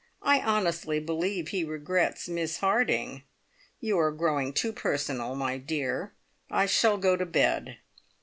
I honestly believe he regrets Miss Harding. You are growing too personal, my dear. I shall go to bed."